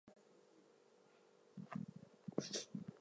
He was also featured as a character in Al Franken's novel, "Why Not Me?".